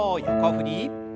横振り。